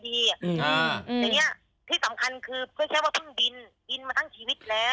แต่เนี่ยที่สำคัญคือเพื่อแค่ว่าเพิ่งบิน